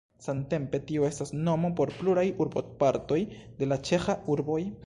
Samtempe tio estas nomo por pluraj urbopartoj de ĉeĥaj urboj.